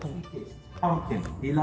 bumbkin berdoa dan berdoa